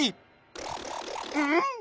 うん？